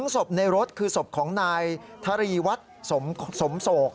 ศพในรถคือศพของนายทรีวัฒน์สมโศก